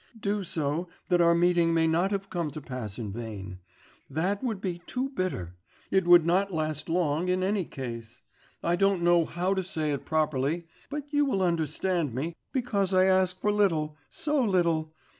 Do so, that our meeting may not have come to pass in vain; that would be too bitter; it would not last long in any case.... I don't know how to say it properly, but you will understand me, because I ask for little, so little